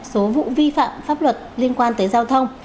số vụ vi phạm pháp luật liên quan tới giao thông